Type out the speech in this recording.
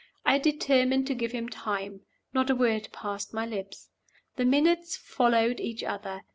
I determined to give him time. Not a word passed my lips. The minutes followed each other.